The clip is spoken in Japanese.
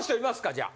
じゃあ。